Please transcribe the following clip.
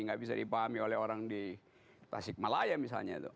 nggak bisa dipahami oleh orang di tasikmalaya misalnya